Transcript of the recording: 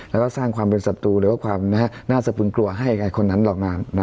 แล้วก็สร้างความเป็นศัตรูหรือว่าความน่าสะพึงกลัวให้กับคนนั้นหรอกนาน